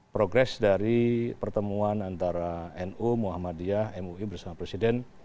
progres dari pertemuan antara nu muhammadiyah mui bersama presiden